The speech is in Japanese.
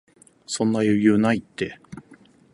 そんな余裕ないって